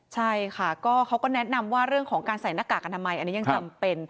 ใช่ค่า่ก็แนะนำร่วมของใส่หน้ากากกันทำไมอันนี้ยังจำเป็น